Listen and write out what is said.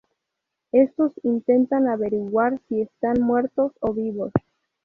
Estos intentan averiguar si están muertos o vivos.